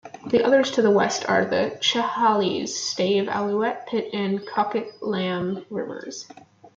The others to the west are the Chehalis, Stave, Alouette, Pitt, and Coquitlam Rivers.